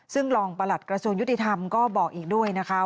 ซึ่งรองประหลัดกระทรวงยุติธรรมก็บอกอีกด้วยนะคะ